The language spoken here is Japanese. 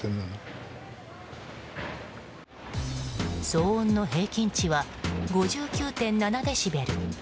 騒音の平均値は５９．７デシベル。